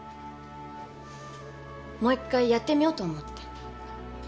もう一回やってみようと思って。